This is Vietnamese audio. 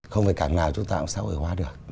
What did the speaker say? không phải cảng nào chúng ta cũng xã hội hóa được